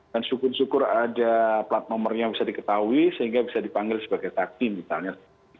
dan syukur syukur saja plat nomornya bisa diketahui sehingga bisa dipanggil sebagai takti misalnya